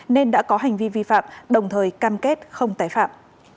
nên đã có hành vi vi phạm đồng thời cam kết không tái phạm